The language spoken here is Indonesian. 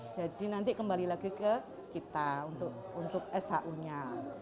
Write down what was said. jadi nanti kembali lagi ke kita untuk shu nya